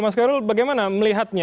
mas koyrol bagaimana melihatnya